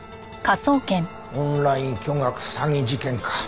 「オンライン巨額詐欺事件」か。